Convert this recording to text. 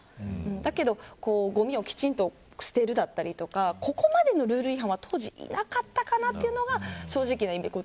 だけど、ごみをきちんと捨てるだったりとかここまでのルール違反は当時いなかったかなというのが正直なところ。